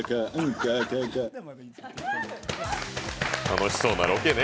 楽しそうなロケね。